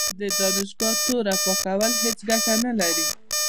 د دانشګاه توره پاکول هیڅ ګټه نه لري.